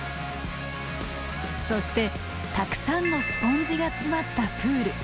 そしてたくさんのスポンジが詰まったプール。